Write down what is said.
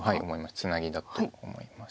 ツナギだと思います。